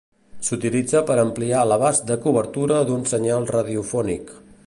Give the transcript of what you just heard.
S'utilitza per ampliar l'abast de cobertura d'un senyal radiofònic.